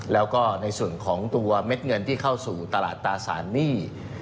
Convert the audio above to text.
แล้วก็ในส่วนของตัวเม็ดเงินที่เข้าสู่ตลาดตราสารหนี้